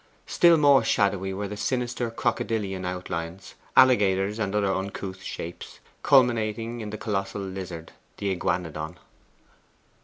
Still more shadowy were the sinister crocodilian outlines alligators and other uncouth shapes, culminating in the colossal lizard, the iguanodon.